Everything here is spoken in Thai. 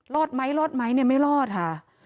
รอดไหมไม่รอดค่ะ